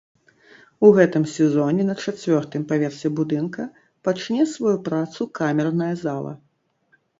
У гэтым сезоне на чацвёртым паверсе будынка пачне сваю працу камерная зала.